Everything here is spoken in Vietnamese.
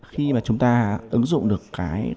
khi mà chúng ta ứng dụng được cái